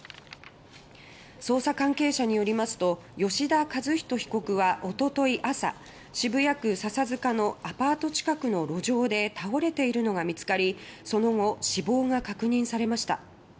捜査関係者によりますと吉田和人被告はおととい朝渋谷区笹塚のアパート近くの路上で倒れているのが見つかりその後、死亡が確認されました。